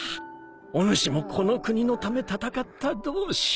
おぬしもこの国のため戦った同志。